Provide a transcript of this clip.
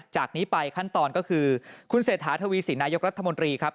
จากนี้ไปขั้นตอนก็คือคุณเศรษฐาทวีสินนายกรัฐมนตรีครับ